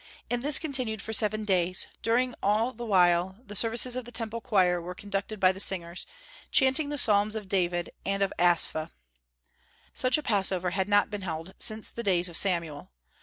And this continued for seven days; during all the while the services of the Temple choir were conducted by the singers, chanting the psalms of David and of Asaph. Such a Passover had not been held since the days of Samuel.